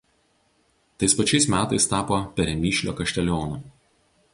Tais pačiais metais tapo Peremyšlio kaštelionu.